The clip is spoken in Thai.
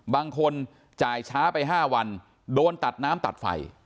บางคนจ่ายช้าไป๕วันโดนตัดน้ำตัดไฟ